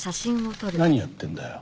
何やってんだよ。